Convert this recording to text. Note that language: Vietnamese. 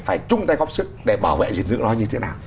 phải chung tay góp sức để bảo vệ dịch vụ nó như thế nào